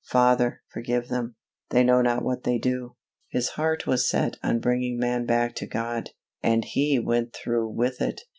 "Father, forgive them; they know not what they do." His heart was set on bringing man back to God, and He went through with it.